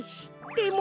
でも。